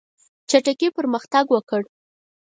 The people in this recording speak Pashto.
چټکي پرمختګ وکړ.